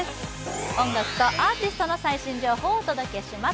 音楽とアーティストの最新情報をお届けします